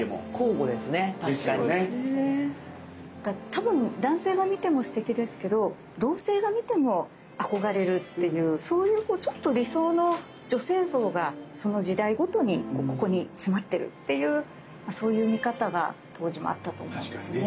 多分男性が見てもすてきですけど同性が見ても憧れるっていうそういうちょっと理想の女性像がその時代ごとにここに詰まってるっていうそういう見方が当時もあったと思いますね。